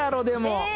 でも。